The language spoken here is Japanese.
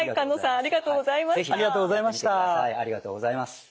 ありがとうございます。